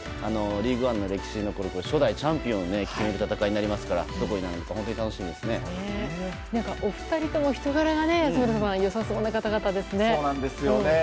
リーグワンの歴史に残る初代チャンピオンを決める戦いになりますからお二人とも人柄が良さそうですよね。